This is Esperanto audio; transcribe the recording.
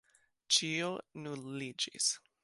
Ĉio nuliĝis.